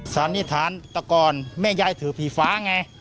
สันนิษฐานแต่ก่อนแม่ยายถือผีฟ้าไง